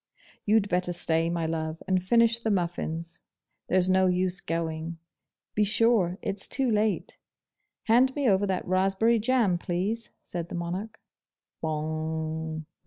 'You'd better stay, my love, and finish the muffins. There's no use going. Be sure it's too late. Hand me over that raspberry jam, please,' said the Monarch. 'Bong!